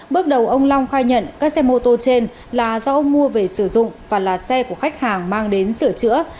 bước đầu ông long khai nhận các xe mô tô trên là do ông mua về sử dụng và là xe của khách hàng mang đến sửa chữa